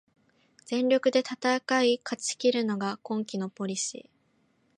全力で戦い勝ちきるのが今季のポリシー